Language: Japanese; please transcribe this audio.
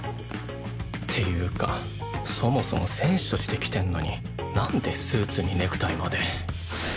っていうかそもそも選手として来てんのになんでスーツにネクタイまで